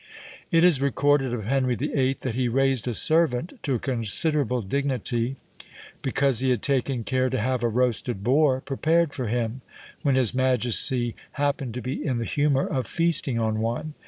It is recorded of Henry VIII. that he raised a servant to a considerable dignity because he had taken care to have a roasted boar prepared for him, when his majesty happened to be in the humour of feasting on one!